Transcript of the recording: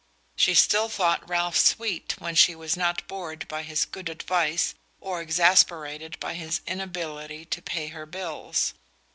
She still thought Ralph "sweet" when she was not bored by his good advice or exasperated by his inability to pay her bills.